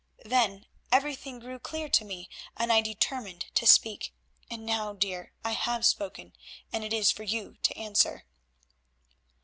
Then everything grew clear to me, and I determined to speak. And now, dear, I have spoken, and it is for you to answer."